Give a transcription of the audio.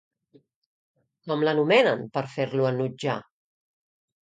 Com l'anomenen per fer-lo enutjar?